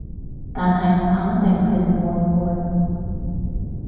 但係唔肯定佢哋會唔會